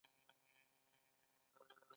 دا دوې تګ لارې سره پرتله کړئ.